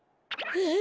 えっ！？